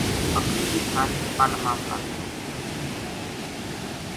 بکری بے ساری پل ما پھَسی وی تھی